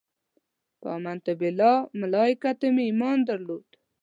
په امنت بالله ملایکته مې ایمان درلود.